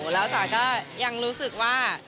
แล้วจ๋าก็ยังรู้สึกว่า